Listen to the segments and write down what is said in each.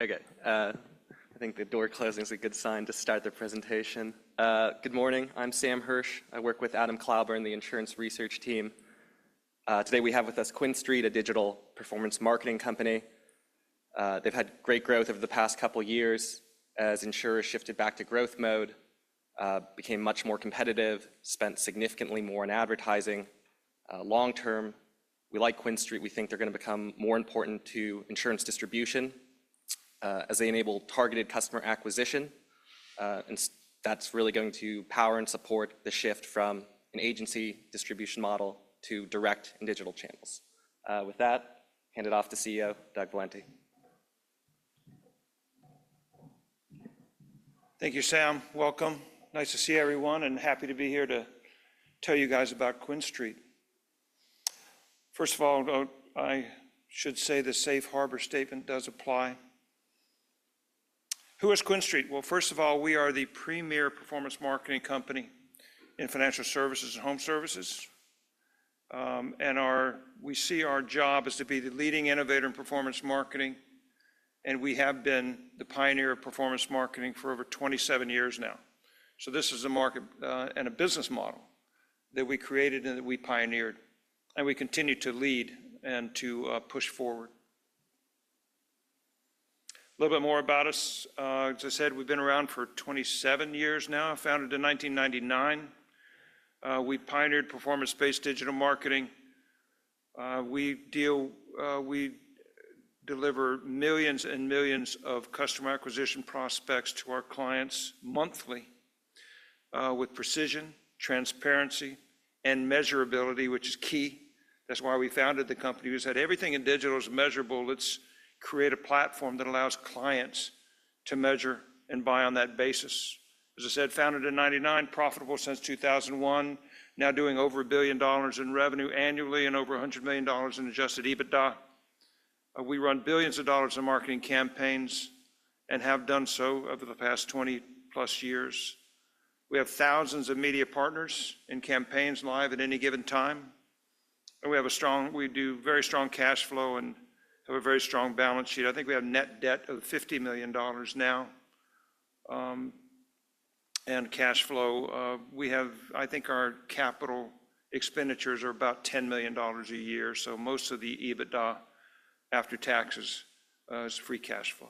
Okay. I think the door closing is a good sign to start the presentation. Good morning. I'm Sam Hirsch. I work with Adam Klauber in the insurance research team. Today we have with us QuinStreet, a digital performance marketing company. They've had great growth over the past couple of years as insurers shifted back to growth mode, became much more competitive, spent significantly more on advertising. Long-term, we like QuinStreet. We think they're going to become more important to insurance distribution as they enable targeted customer acquisition. That's really going to power and support the shift from an agency distribution model to direct and digital channels. With that, hand it off to CEO Doug Valenti. Thank you, Sam. Welcome. Nice to see everyone, and happy to be here to tell you guys about QuinStreet. First of all, I should say the safe harbor statement does apply. Who is QuinStreet? Well, first of all, we are the premier performance marketing company in financial services and home services. We see our job is to be the leading innovator in performance marketing, and we have been the pioneer of performance marketing for over 27 years now. This is a market and a business model that we created and that we pioneered, and we continue to lead and to push forward. A little bit more about us. As I said, we've been around for 27 years now. Founded in 1999. We pioneered performance-based digital marketing. We deliver millions and millions of customer acquisition prospects to our clients monthly with precision, transparency, and measurability, which is key. That's why we founded the company. We said, everything in digital is measurable. Let's create a platform that allows clients to measure and buy on that basis. As I said, founded in 1999, profitable since 2001, now doing over $1 billion in revenue annually and over $100 million in adjusted EBITDA. We run billions of dollars in marketing campaigns and have done so over the past 20+ years. We have thousands of media partners and campaigns live at any given time. We do very strong cash flow and have a very strong balance sheet. I think we have net debt of $50 million now, and cash flow. I think our capital expenditures are about $10 million a year. Most of the EBITDA after taxes is free cash flow.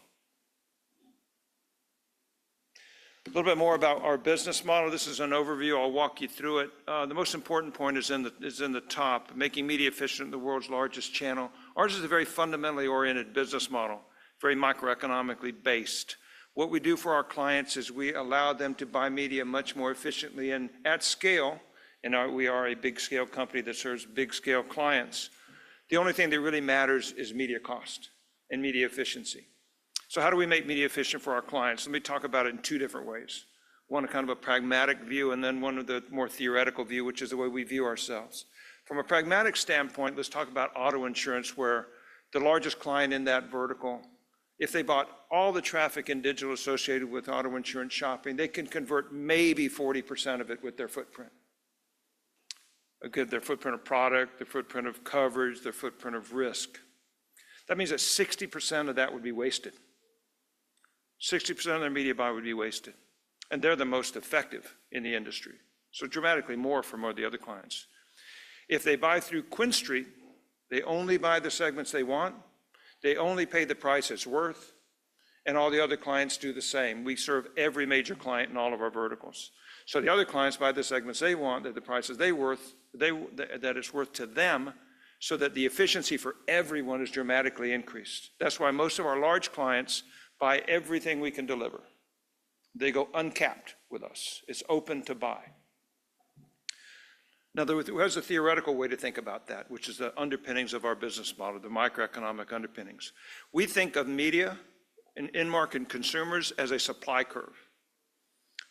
A little bit more about our business model. This is an overview. I'll walk you through it. The most important point is in the top, making media efficient in the world's largest channel. Ours is a very fundamentally oriented business model, very microeconomically based. What we do for our clients is we allow them to buy media much more efficiently and at scale, and we are a big scale company that serves big scale clients. The only thing that really matters is media cost and media efficiency. How do we make media efficient for our clients? Let me talk about it in two different ways. One, kind of a pragmatic view, and then one of the more theoretical view, which is the way we view ourselves. From a pragmatic standpoint, let's talk about auto insurance, we're the largest client in that vertical. If they bought all the traffic in digital associated with auto insurance shopping, they can convert maybe 40% of it with their footprint. Their footprint of product, their footprint of coverage, their footprint of risk. That means that 60% of that would be wasted. 60% of their media buy would be wasted, and they're the most effective in the industry. Dramatically more from all the other clients. If they buy through QuinStreet, they only buy the segments they want. They only pay the price it's worth, and all the other clients do the same. We serve every major client in all of our verticals. The other clients buy the segments they want at the prices that it's worth to them, so that the efficiency for everyone is dramatically increased. That's why most of our large clients buy everything we can deliver. They go uncapped with us. It's open to buy. There is a theoretical way to think about that, which is the underpinnings of our business model, the microeconomic underpinnings. We think of media and end market consumers as a supply curve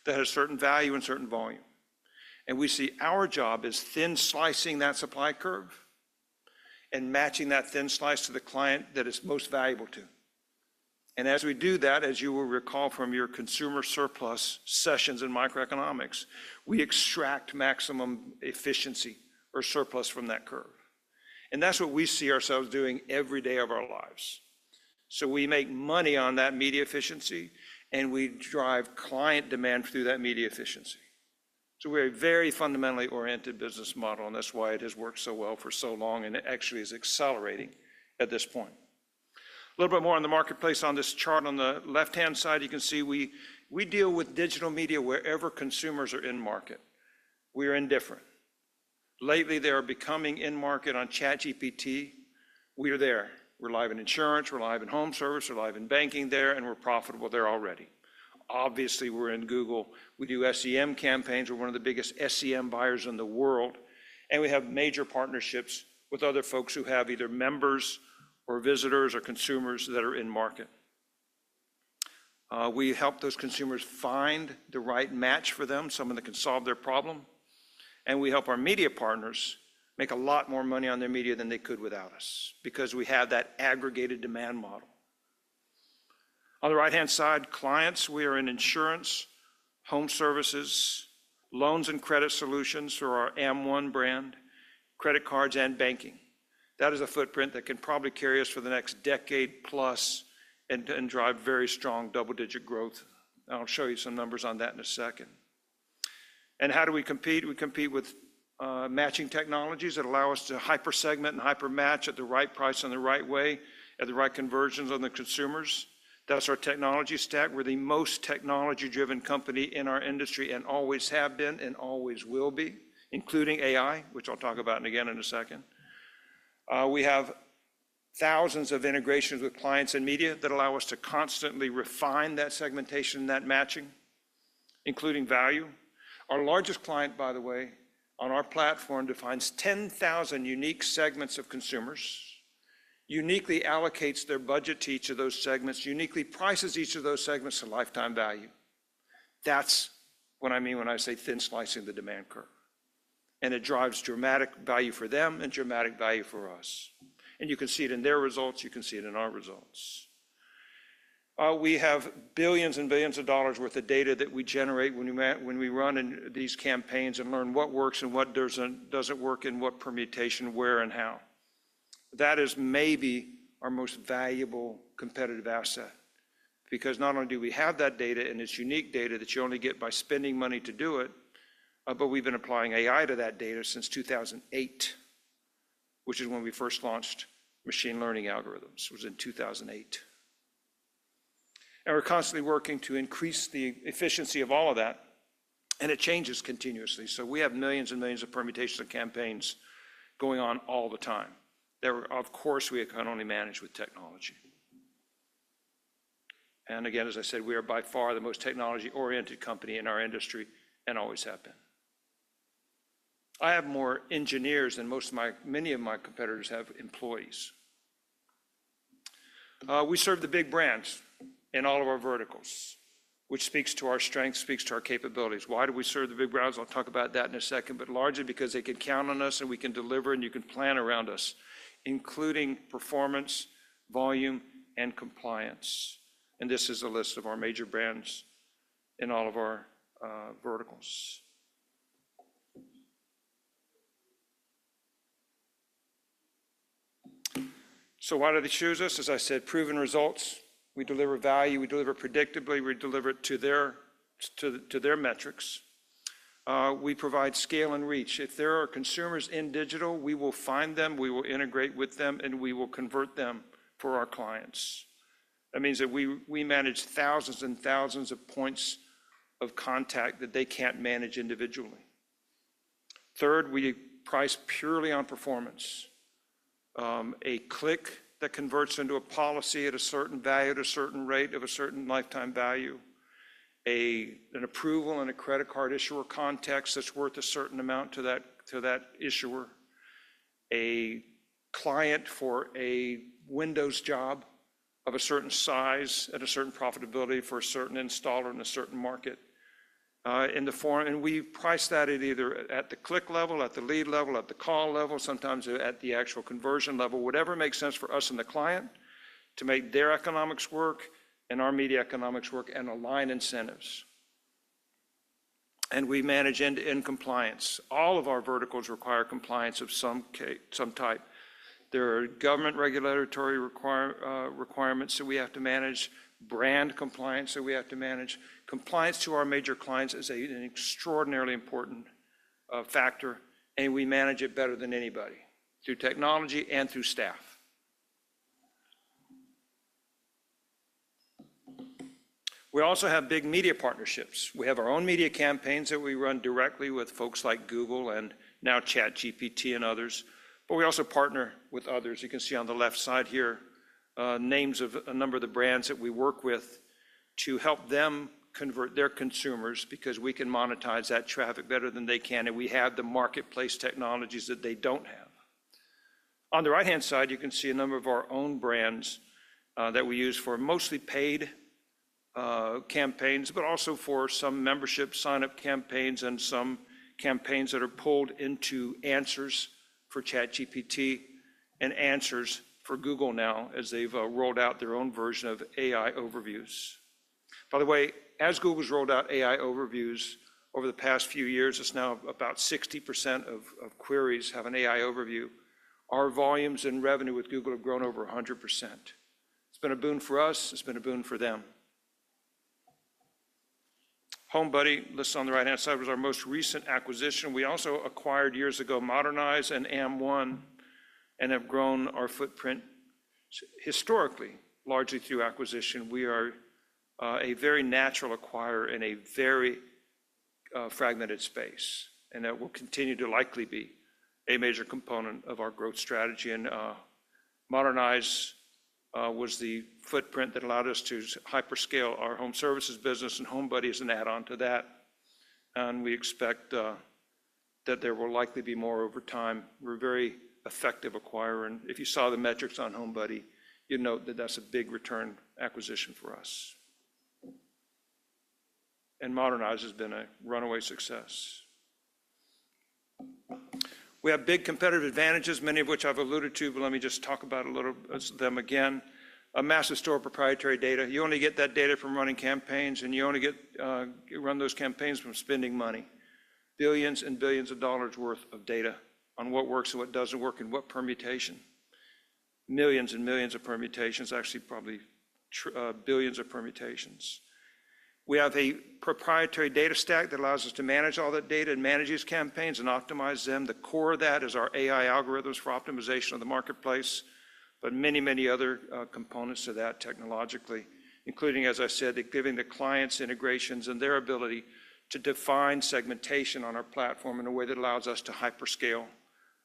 that has certain value and certain volume. We see our job as thin slicing that supply curve and matching that thin slice to the client that it's most valuable to. As we do that, as you will recall from your consumer surplus sessions in microeconomics, we extract maximum efficiency or surplus from that curve. That's what we see ourselves doing every day of our lives. We make money on that media efficiency, and we drive client demand through that media efficiency. We're a very fundamentally oriented business model, and that's why it has worked so well for so long, and it actually is accelerating at this point. A little bit more on the marketplace on this chart. On the left-hand side, you can see we deal with digital media wherever consumers are in market. We are indifferent. Lately, they are becoming in market on ChatGPT. We are there. We're live in insurance. We're live in home service. We're live in banking there, and we're profitable there already. Obviously, we're in Google. We do SEM campaigns. We're one of the biggest SEM buyers in the world, and we have major partnerships with other folks who have either members or visitors or consumers that are in market. We help those consumers find the right match for them, someone that can solve their problem. We help our media partners make a lot more money on their media than they could without us because we have that aggregated demand model. On the right-hand side, clients. We are in insurance, Home services, loans and credit solutions through our AmOne brand, credit cards, and banking. That is a footprint that can probably carry us for the next decade plus and drive very strong double-digit growth. I'll show you some numbers on that in a second. How do we compete? We compete with matching technologies that allow us to hyper-segment and hyper-match at the right price in the right way, at the right conversions on the consumers. That's our technology stack. We're the most technology-driven company in our industry and always have been and always will be, including AI, which I'll talk about again in a second. We have thousands of integrations with clients and media that allow us to constantly refine that segmentation and that matching, including value. Our largest client, by the way, on our platform defines 10,000 unique segments of consumers, uniquely allocates their budget to each of those segments, uniquely prices each of those segments to lifetime value. That's what I mean when I say thin slicing the demand curve. It drives dramatic value for them and dramatic value for us. You can see it in their results, you can see it in our results. We have billions of dollars worth of data that we generate when we run these campaigns and learn what works and what doesn't work, and what permutation, where, and how. That is maybe our most valuable competitive asset because not only do we have that data, and it's unique data that you only get by spending money to do it, but we've been applying AI to that data since 2008, which is when we first launched machine learning algorithms, was in 2008. We're constantly working to increase the efficiency of all of that, and it changes continuously. We have millions and millions of permutations of campaigns going on all the time that, of course, we can only manage with technology. Again, as I said, we are by far the most technology-oriented company in our industry and always have been. I have more engineers than many of my competitors have employees. We serve the big brands in all of our verticals, which speaks to our strengths, speaks to our capabilities. Why do we serve the big brands? I'll talk about that in a second, but largely because they can count on us, and we can deliver, and you can plan around us, including performance, volume, and compliance. This is a list of our major brands in all of our verticals. Why do they choose us? As I said, proven results. We deliver value. We deliver predictably. We deliver to their metrics. We provide scale and reach. If there are consumers in digital, we will find them, we will integrate with them, and we will convert them for our clients. That means that we manage thousands and thousands of points of contact that they can't manage individually. Third, we price purely on performance. A click that converts into a policy at a certain value, at a certain rate, of a certain lifetime value, an approval in a credit card issuer context that's worth a certain amount to that issuer, a client for a windows job of a certain size at a certain profitability for a certain installer in a certain market. We price that at either at the click level, at the lead level, at the call level, sometimes at the actual conversion level, whatever makes sense for us and the client to make their economics work and our media economics work and align incentives. We manage end-to-end compliance. All of our verticals require compliance of some type. There are government regulatory requirements that we have to manage, brand compliance that we have to manage. Compliance to our major clients is an extraordinarily important factor, and we manage it better than anybody through technology and through staff. We also have big media partnerships. We have our own media campaigns that we run directly with folks like Google and now ChatGPT and others, but we also partner with others. You can see on the left side here names of a number of the brands that we work with to help them convert their consumers because we can monetize that traffic better than they can, and we have the marketplace technologies that they don't have. On the right-hand side, you can see a number of our own brands that we use for mostly paid campaigns, but also for some membership sign-up campaigns and some campaigns that are pulled into answers for ChatGPT and answers for Google now, as they've rolled out their own version of AI Overviews. By the way, as Google's rolled out AI Overviews over the past few years, it's now about 60% of queries have an AI Overview. Our volumes and revenue with Google have grown over 100%. It's been a boon for us. It's been a boon for them. HomeBuddy, listed on the right-hand side, was our most recent acquisition. We also acquired years ago Modernize and AmOne and have grown our footprint historically, largely through acquisition. We are a very natural acquirer in a very fragmented space, and that will continue to likely be a major component of our growth strategy. Modernize was the footprint that allowed us to hyper-scale our home services business, and HomeBuddy is an add-on to that. We expect that there will likely be more over time. We're a very effective acquirer, and if you saw the metrics on HomeBuddy, you'd note that that's a big return acquisition for us. Modernize has been a runaway success. We have big competitive advantages, many of which I've alluded to, but let me just talk about a little of them again. A massive store of proprietary data. You only get that data from running campaigns, and you only run those campaigns from spending money. Billions and billions of dollars worth of data on what works and what doesn't work, and what permutation. Millions and millions of permutations. Actually, probably billions of permutations. We have a proprietary data stack that allows us to manage all that data and manage these campaigns and optimize them. The core of that is our AI algorithms for optimization of the marketplace. Many other components to that technologically, including, as I said, giving the clients integrations and their ability to define segmentation on our platform in a way that allows us to hyperscale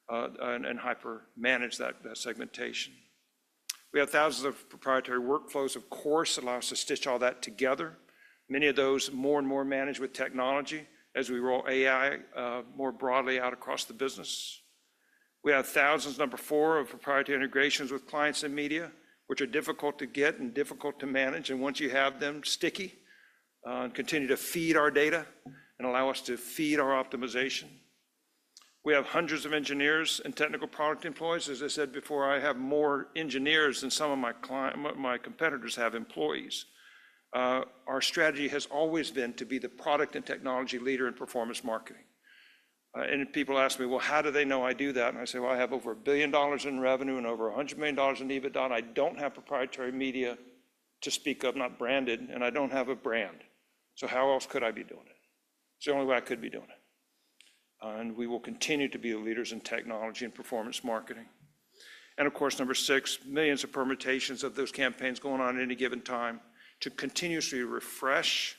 and hyper manage that segmentation. We have thousands of proprietary workflows, of course, that allow us to stitch all that together. Many of those more and more managed with technology as we roll AI more broadly out across the business. We have thousands, number four, of proprietary integrations with clients and media, which are difficult to get and difficult to manage. Once you have them, sticky, and continue to feed our data and allow us to feed our optimization. We have hundreds of engineers and technical product employees. As I said before, I have more engineers than some of my competitors have employees. Our strategy has always been to be the product and technology leader in performance marketing. People ask me, "Well, how do they know I do that?" I say, "Well, I have over $1 billion in revenue and over $100 million in EBITDA, and I don't have proprietary media to speak of, not branded, and I don't have a brand. How else could I be doing it?" It's the only way I could be doing it. We will continue to be the leaders in technology and performance marketing. Of course, number six, millions of permutations of those campaigns going on at any given time to continuously refresh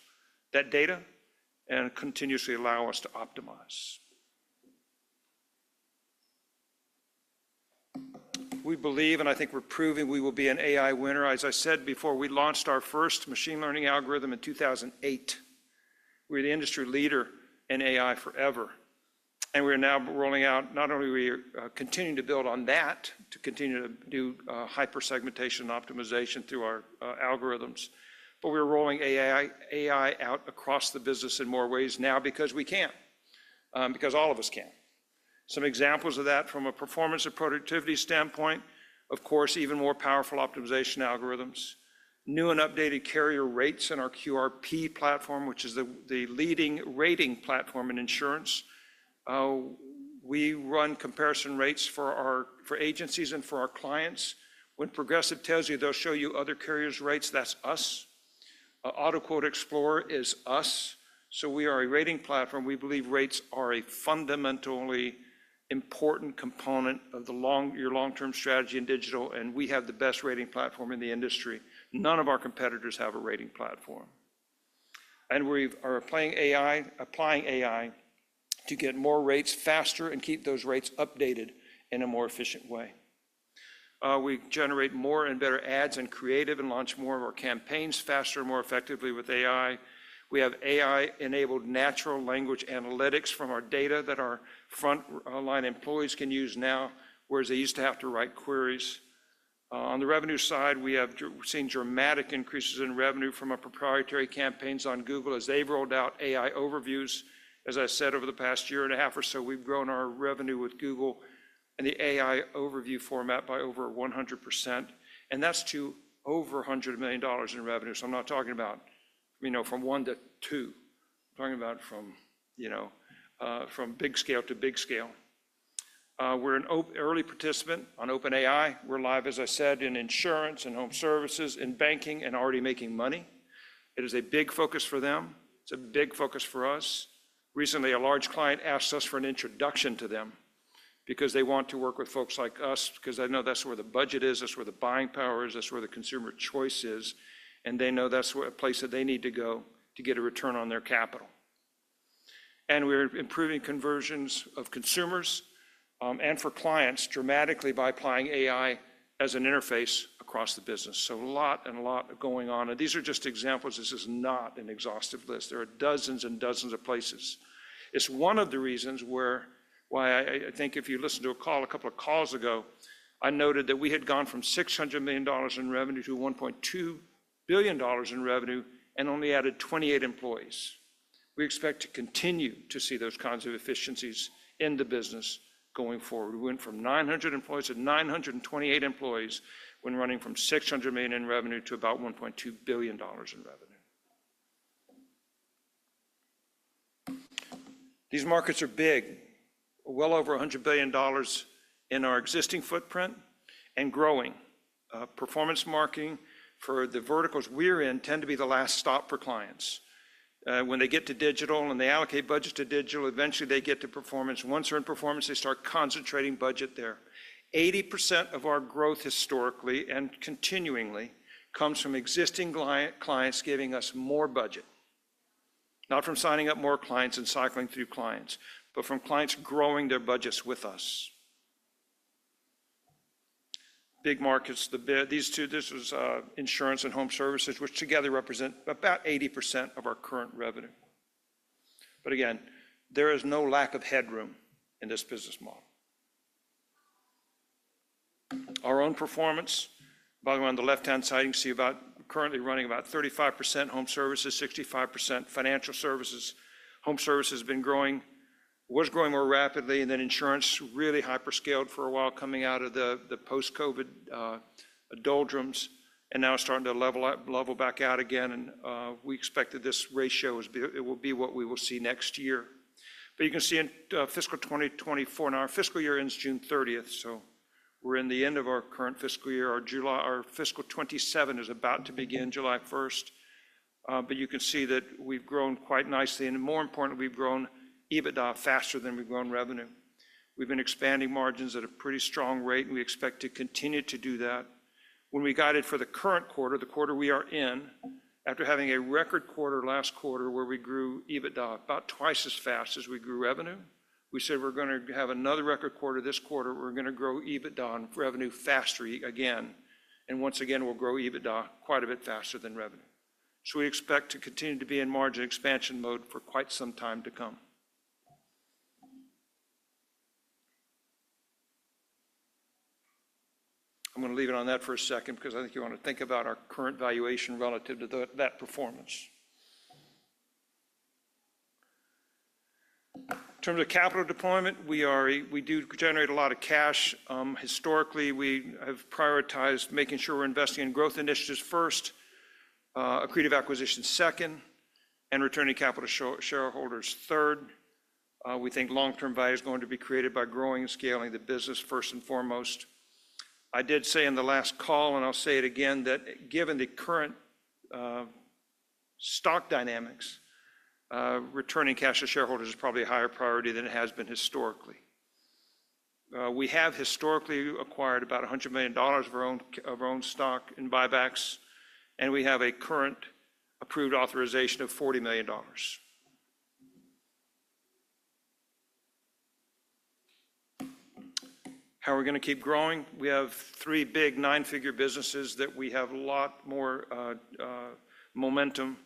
that data and continuously allow us to optimize. We believe, and I think we're proving we will be an AI winner. As I said before, we launched our first machine learning algorithm in 2008. We're the industry leader in AI forever. Not only are we continuing to build on that, to continue to do hyper segmentation and optimization through our algorithms, but we're rolling AI out across the business in more ways now because we can. All of us can. Some examples of that from a performance and productivity standpoint, of course, even more powerful optimization algorithms. New and updated carrier rates in our QRP platform, which is the leading rating platform in insurance. We run comparison rates for agencies and for our clients. When Progressive tells you they'll show you other carriers' rates, that's us. Auto Quote Explorer is us. We are a rating platform. We believe rates are a fundamentally important component of your long-term strategy in digital. We have the best rating platform in the industry. None of our competitors have a rating platform. We are applying AI to get more rates faster and keep those rates updated in a more efficient way. We generate more and better ads and creative and launch more of our campaigns faster and more effectively with AI. We have AI-enabled natural language analytics from our data that our front online employees can use now, whereas they used to have to write queries. On the revenue side, we have seen dramatic increases in revenue from our proprietary campaigns on Google as they've rolled out AI Overviews. As I said, over the past year and a half or so, we've grown our revenue with Google and the AI Overviews format by over 100%, and that's to over $100 million in revenue. I'm not talking about from one to two. I'm talking about from big scale to big scale. We're an early participant on OpenAI. We're live, as I said, in insurance and home services, in banking, and already making money. It is a big focus for them. It's a big focus for us. Recently, a large client asked us for an introduction to them because they want to work with folks like us because they know that's where the budget is, that's where the buying power is, that's where the consumer choice is, and they know that's a place that they need to go to get a return on their capital. We're improving conversions of consumers and for clients dramatically by applying AI as an interface across the business. A lot going on. These are just examples. This is not an exhaustive list. There are dozens and dozens of places. It's one of the reasons why I think if you listen to a call a couple of calls ago, I noted that we had gone from $600 million in revenue to $1.2 billion in revenue and only added 28 employees. We expect to continue to see those kinds of efficiencies in the business going forward. We went from 900 employees to 928 employees when running from $600 million in revenue to about $1.2 billion in revenue. These markets are big. Well over $100 billion in our existing footprint and growing. Performance marketing for the verticals we're in tend to be the last stop for clients. When they get to digital and they allocate budget to digital, eventually they get to performance. Once they're in performance, they start concentrating budget there. 80% of our growth historically and continuingly comes from existing clients giving us more budget. Not from signing up more clients and cycling through clients, but from clients growing their budgets with us. Big markets, these two, this was insurance and home services, which together represent about 80% of our current revenue. There is no lack of headroom in this business model. Our own performance. By the way, on the left-hand side, you can see we're currently running about 35% home services, 65% financial services. Home service was growing more rapidly, then insurance really hyper-scaled for a while coming out of the post-COVID doldrums, now it's starting to level back out again. We expect that this ratio will be what we will see next year. You can see in fiscal 2024, our fiscal year ends June 30th, we're in the end of our current fiscal year. Our fiscal 2027 is about to begin July 1st. You can see that we've grown quite nicely, and more importantly, we've grown EBITDA faster than we've grown revenue. We've been expanding margins at a pretty strong rate, and we expect to continue to do that. When we guided for the current quarter, the quarter we are in, after having a record quarter last quarter where we grew EBITDA about twice as fast as we grew revenue, we said we're going to have another record quarter this quarter. We're going to grow revenue faster again, and once again, we'll grow EBITDA quite a bit faster than revenue. We expect to continue to be in margin expansion mode for quite some time to come. I'm going to leave it on that for a second because I think you want to think about our current valuation relative to that performance. In terms of capital deployment, we do generate a lot of cash. Historically, we have prioritized making sure we're investing in growth initiatives first, accretive acquisitions second, and returning capital to shareholders third. We think long-term value is going to be created by growing and scaling the business first and foremost. I did say in the last call, and I'll say it again, that given the current stock dynamics, returning cash to shareholders is probably a higher priority than it has been historically. We have historically acquired about $100 million of our own stock in buybacks, and we have a current approved authorization of $40 million. How are we going to keep growing? We have three big nine-figure businesses that we have a lot more momentum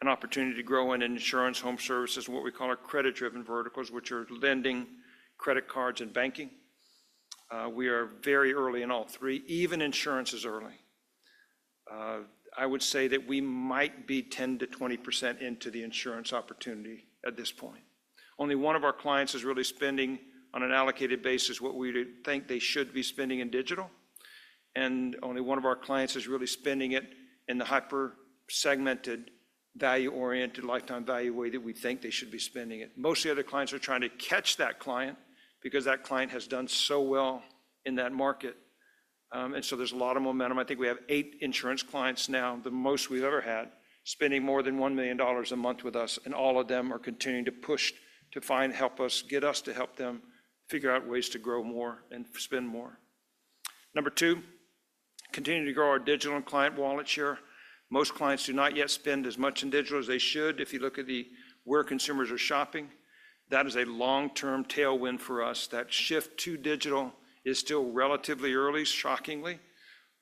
and opportunity to grow in insurance, home services, and what we call our credit-driven verticals, which are lending, credit cards, and banking. We are very early in all three. Even insurance is early. I would say that we might be 10%-20% into the insurance opportunity at this point. Only one of our clients is really spending, on an allocated basis, what we think they should be spending in digital, and only one of our clients is really spending it in the hyper-segmented, value-oriented, lifetime value way that we think they should be spending it. Most of the other clients are trying to catch that client because that client has done so well in that market. There's a lot of momentum. I think we have eight insurance clients now, the most we've ever had, spending more than $1 million a month with us, and all of them are continuing to push to find help, get us to help them figure out ways to grow more and spend more. Number two, continue to grow our digital and client wallet share. Most clients do not yet spend as much in digital as they should. If you look at where consumers are shopping, that is a long-term tailwind for us. That shift to digital is still relatively early, shockingly,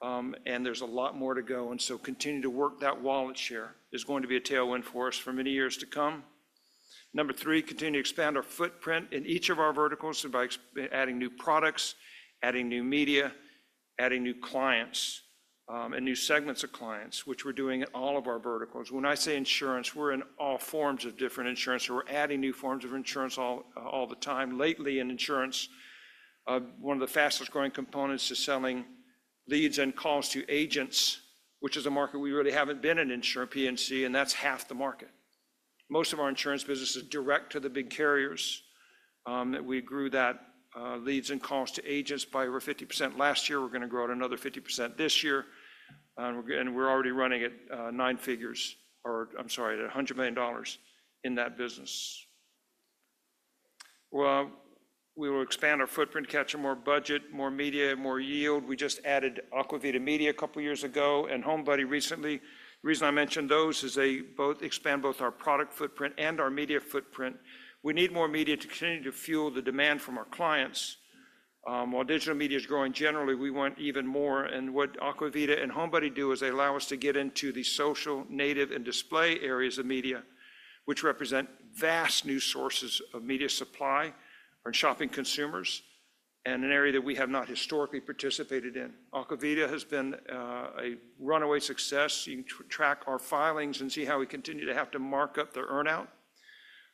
and there's a lot more to go. Continuing to work that wallet share is going to be a tailwind for us for many years to come. Number three, continue to expand our footprint in each of our verticals by adding new products, adding new media, adding new clients, and new segments of clients, which we're doing in all of our verticals. When I say insurance, we're in all forms of different insurance. We're adding new forms of insurance all the time. Lately, in insurance, one of the fastest-growing components is selling leads and calls to agents, which is a market we really haven't been in, insurance at P&C, and that's half the market. Most of our insurance business is direct to the big carriers. We grew that, leads and calls to agents, by over 50% last year. We're going to grow it another 50% this year. We're already running at $100 million in that business. We will expand our footprint, capture more budget, more media, more yield. We just added AquaVida Media a couple of years ago and HomeBuddy recently. The reason I mention those is they both expand both our product footprint and our media footprint. We need more media to continue to fuel the demand from our clients. While digital media is growing generally, we want even more. And HomeBuddy do is they allow us to get into the social, native, and display areas of media, which represent vast new sources of media supply for shopping consumers, and an area that we have not historically participated in. AquaVida has been a runaway success. You can track our filings and see how we continue to have to mark up their earn-out.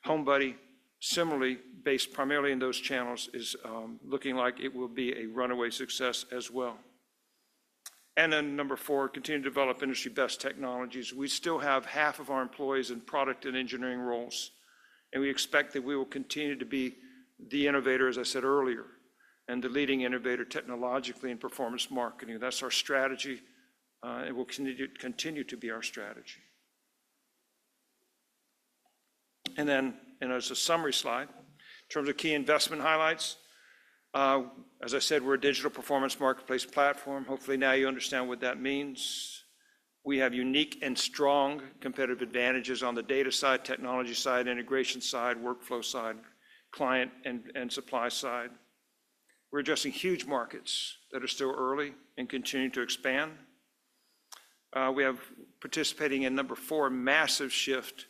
HomeBuddy, similarly, based primarily in those channels, is looking like it will be a runaway success as well. Number four, continue to develop industry-best technologies. We still have half of our employees in product and engineering roles, and we expect that we will continue to be the innovator, as I said earlier, and the leading innovator technologically in performance marketing. That's our strategy, and will continue to be our strategy. As a summary slide, in terms of key investment highlights, as I said, we're a digital performance marketplace platform. Hopefully, now you understand what that means. We have unique and strong competitive advantages on the data side, technology side, integration side, workflow side, client, and supply side. We're addressing huge markets that are still early and continuing to expand. We have participating in number four, massive shift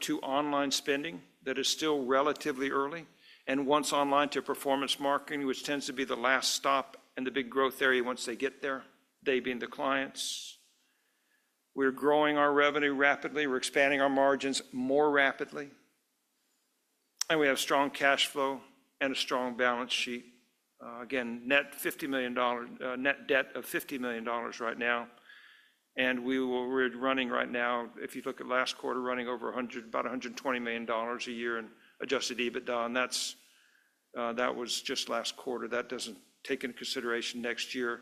to online spending that is still relatively early. Once online to performance marketing, which tends to be the last stop and the big growth area once they get there, they being the clients. We're growing our revenue rapidly. We're expanding our margins more rapidly. We have strong cash flow and a strong balance sheet. Again, net debt of $50 million right now. We're running right now, if you look at last quarter, running over about $120 million a year in adjusted EBITDA, and that was just last quarter. That doesn't take into consideration next year.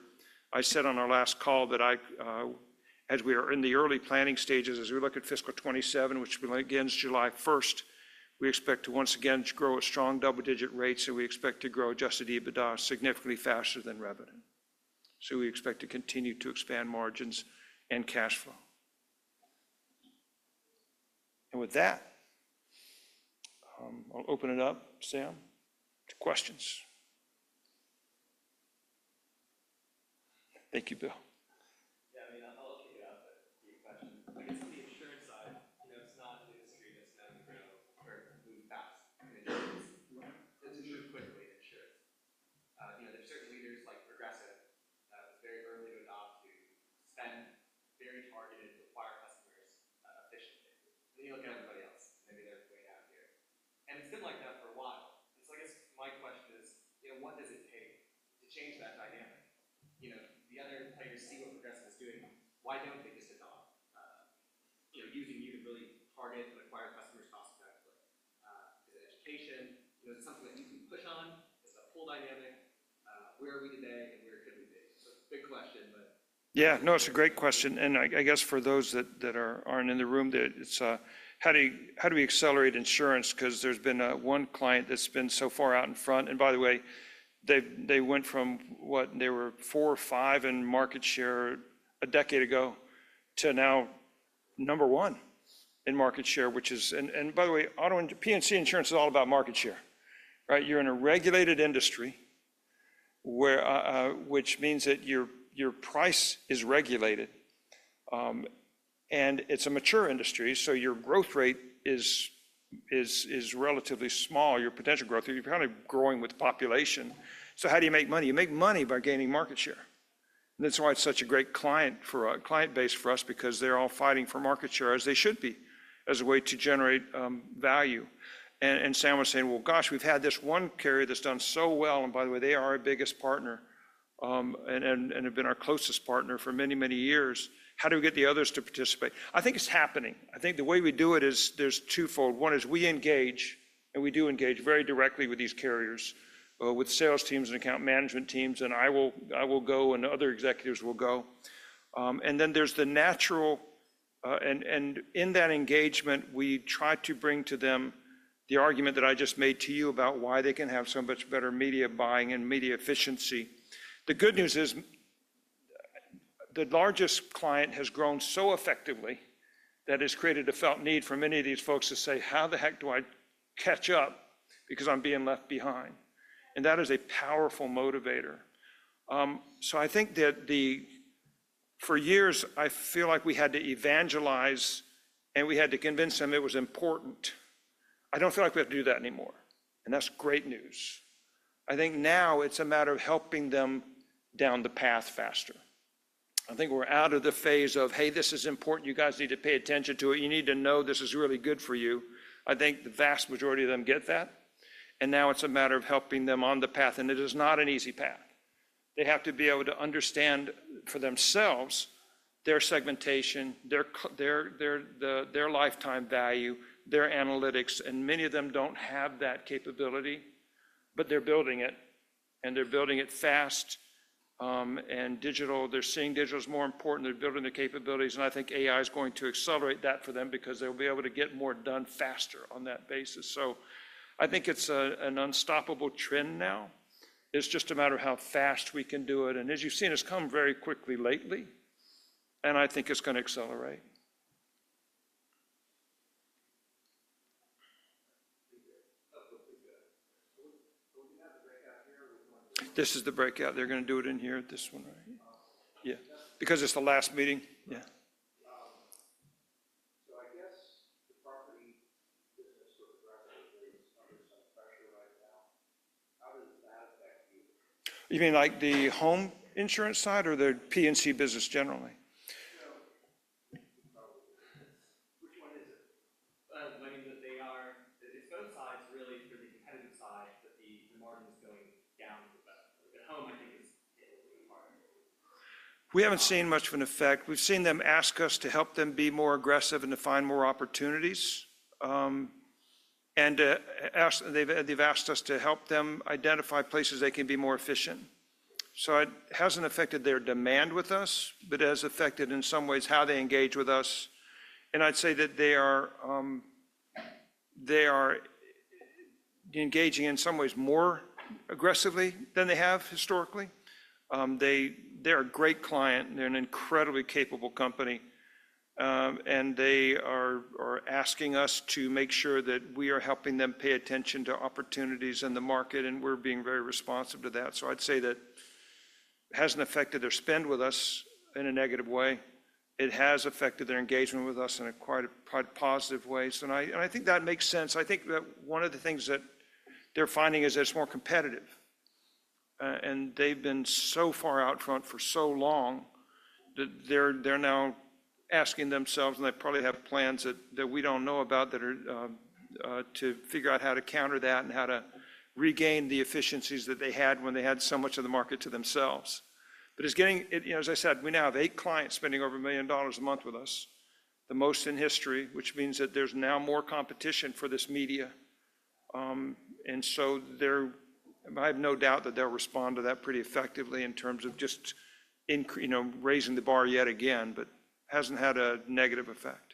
I said on our last call that as we are in the early planning stages, as we look at fiscal 2027, which begins July 1st, we expect to once again grow at strong double-digit rates, and we expect to grow adjusted EBITDA significantly faster than revenue. We expect to continue to expand margins It's been like that for a while. I guess my question is, what does it take to change that dynamic? The other players see what Progressive is doing. Why don't they just adopt, using you to really target and acquire customers cost-effectively? Is it education? Is it something that you can push on? Is it a pull dynamic? Where are we today, and where could we be? It's a big question. Yeah. It's a great question. I guess for those that aren't in the room, how do we accelerate insurance? There's been one client that's been so far out in front. By the way, they went from, what, they were four or five in market share a decade ago to now number one in market share. By the way, P&C insurance is all about market share, right? You're in a regulated industry, which means that your price is regulated. It's a mature industry, your growth rate is relatively small, your potential growth. You're kind of growing with population. How do you make money? You make money by gaining market share. That's why it's such a great client base for us because they're all fighting for market share, as they should be, as a way to generate value. Sam was saying, "Well, gosh, we've had this one carrier that's done so well." By the way, they are our biggest partner and have been our closest partner for many, many years. How do we get the others to participate? I think it's happening. I think the way we do it is there's twofold. One is we engage, we do engage very directly with these carriers, with sales teams and account management teams, I will go, other executives will go. And there is a natural-- In that engagement, we try to bring to them the argument that I just made to you about why they can have so much better media buying and media efficiency. The good news is the largest client has grown so effectively that it's created a felt need for many of these folks to say, "How the heck do I catch up because I'm being left behind?" That is a powerful motivator. I think that for years, I feel like we had to evangelize, and we had to convince them it was important. I don't feel like we have to do that anymore, and that's great news. I think now it's a matter of helping them down the path faster. I think we're out of the phase of, "Hey, this is important. You guys need to pay attention to it. You need to know this is really good for you." I think the vast majority of them get that, and now it's a matter of helping them on the path, and it is not an easy path. They have to be able to understand for themselves their segmentation, their lifetime value, their analytics, and many of them don't have that capability, but they're building it, and they're building it fast and digital. They're seeing digital as more important. They're building the capabilities, and I think AI is going to accelerate that for them because they'll be able to get more done faster on that basis. I think it's an unstoppable trend now. It's just a matter of how fast we can do it, and as you've seen, it's come very quickly lately, and I think it's going to accelerate. That's what we've got. Will we have the breakout here? This is the breakout. They're going to do it in here at this one right here. Oh, okay. Yeah. Because it's the last meeting. Yeah. I guess the property business sort of directly is under some pressure right now. How does that affect you? You mean like the home insurance side or the P&C business generally? Which one is it? I mean, it's both sides really for the competitive side, but the margin's going down with the home, I think is the hard part. We haven't seen much of an effect. We've seen them ask us to help them be more aggressive and to find more opportunities. They've asked us to help them identify places they can be more efficient. It hasn't affected their demand with us, but it has affected, in some ways, how they engage with us. I'd say that they are engaging in some ways more aggressively than they have historically. They're a great client, and they're an incredibly capable company. They are asking us to make sure that we are helping them pay attention to opportunities in the market, and we're being very responsive to that. I'd say that hasn't affected their spend with us in a negative way. It has affected their engagement with us in quite positive ways. I think that makes sense. I think that one of the things that they're finding is it's more competitive. They've been so far out front for so long that they're now asking themselves, and they probably have plans that we don't know about, to figure out how to counter that and how to regain the efficiencies that they had when they had so much of the market to themselves. As I said, we now have eight clients spending over $1 million a month with us, the most in history, which means that there's now more competition for this media. I have no doubt that they'll respond to that pretty effectively in terms of just raising the bar yet again, but hasn't had a negative effect.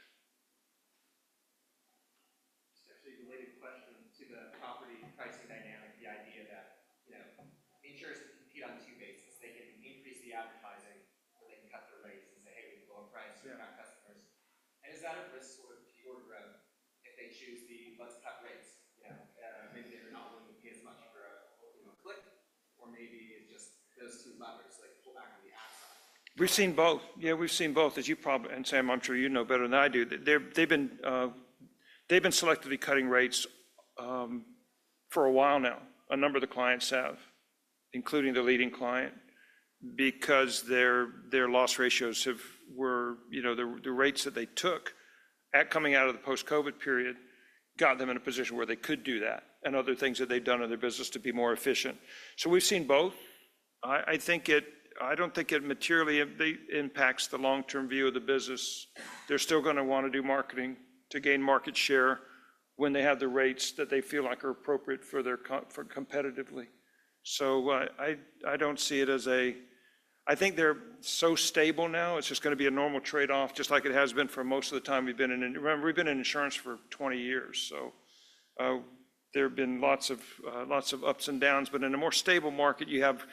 Just actually related question to the property pricing dynamic, the idea that insurers compete on two bases. They can increase the advertising, or they can cut their rates and say, "Hey, we can lower prices to attract customers. Yeah. Is that a risk for your growth if they choose the, "Let's cut rates? Yeah. Maybe they're not willing to pay as much for a click, or maybe it just those two levers, pull back on the ad side. We've seen both. Yeah, we've seen both. Sam, I'm sure you know better than I do. They've been selectively cutting rates for a while now. A number of the clients have, including the leading client, because their loss ratios. The rates that they took at coming out of the post-COVID period got them in a position where they could do that and other things that they've done in their business to be more efficient. We've seen both. I don't think it materially impacts the long-term view of the business. They're still going to want to do marketing to gain market share when they have the rates that they feel like are appropriate competitively. I think they're so stable now, it's just going to be a normal trade-off, just like it has been for most of the time we've been. Remember, we've been in insurance for 20 years, so there have been lots of ups and downs. In a more stable market, you have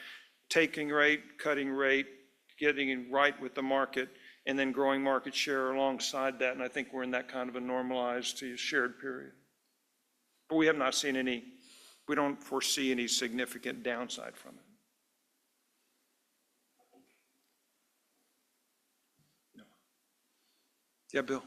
taking rate, cutting rate, getting in right with the market, and then growing market share alongside that. I think we're in that kind of a normalized shared period. We don't foresee any significant downside from it. Yeah, Doug.